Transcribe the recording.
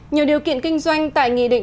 nhiều điều kiện kinh doanh tại nghị định